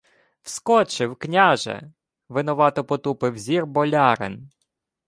— Вскочив, княже, — винувато потупив зір болярин.